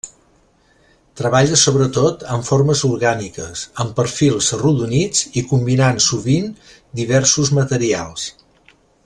Treballa sobretot amb formes orgàniques, amb perfils arrodonits i combinant sovint diversos materials.